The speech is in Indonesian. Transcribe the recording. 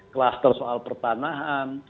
klaster soal pertanahan